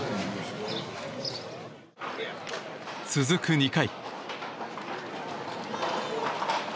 続く２回。